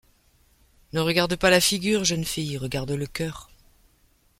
Ne regarde pas la figure, Jeune fille, regarde le cœur.